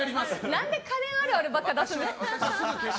何で家電あるあるばっかり出すんですか？